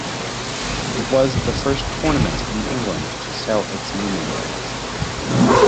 It was the first tournament in England to sell its naming rights.